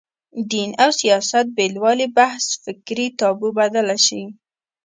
دین او سیاست بېلوالي بحث فکري تابو بدله شي